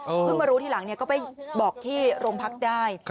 เพิ่งมารู้ทีหลังก็ไปบอกที่โรงพักได้